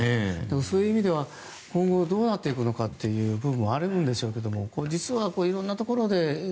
そういう意味では今後、どうなっていくのかっていう部分もあるんでしょうけど実は色んなところで